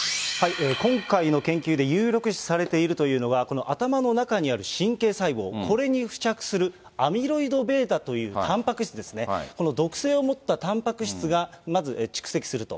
今回の研究で有力視されているというのが、この頭の中にある神経細胞、これに付着するアミロイドβというたんぱく質ですね、この毒性を持ったたんぱく質が、まず蓄積すると。